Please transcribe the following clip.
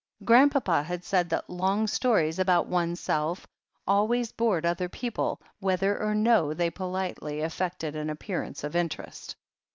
Grandpapa had said that long stories about oneself always bored other people, whether or no they politely affected an appearance of interest.